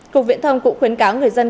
cục viễn thông cũng khuyến cáo người dân